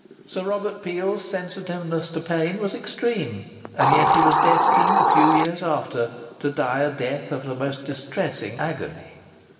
Sir Robert Peel's sensitiveness to pain was extreme, and yet he was destined, a few years after, to die a death of the most distressing agony.